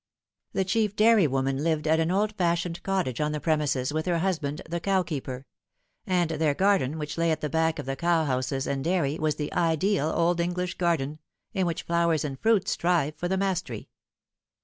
The chief dairy woman lived at an old fashioned cottage on the premises, with her husband, the cowkeeper; and their garden, which lay at the back of the cowhouses and dairy, was the ideal old English garden, in which flowers and fruit strive for the mastery.